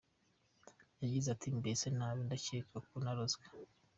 Yagize ati" Meze nabi ndakeka ko narozwe.